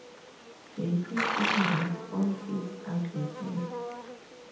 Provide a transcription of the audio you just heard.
They hit it right on its ugly head.